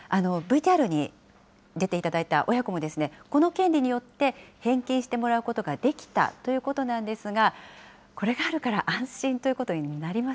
ＶＴＲに出ていただいた親子も、この権利によって返金してもらうことができたということなんですが、これがあるから安心というこ